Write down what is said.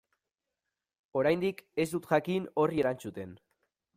Oraindik ez dut jakin horri erantzuten.